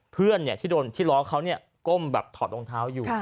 เพื่อนที่โดนที่ล้อเขาก้มแบบถอดรองเท้าอยู่